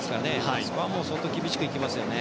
あそこは相当厳しく行きますよね。